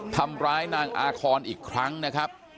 ทำร้ายนางอาคอนอีกครั้งนะครับ